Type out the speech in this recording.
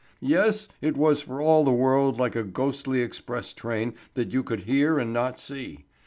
Yes, it was for all the world like a ghostly express train that you could hear and not see.